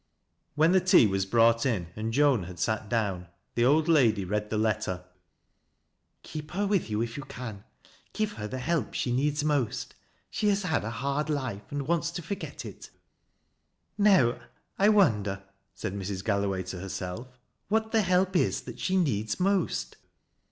When the tea was brought in and Joan had sat down, r.Le old lady read the letter. " Keep her with you if you can. Give lier the help she leeds most. She has had a hard life, and wants to forget it:' "Now, I wonder," said Mrs. Galloway to herself, " what the help is that she needs moat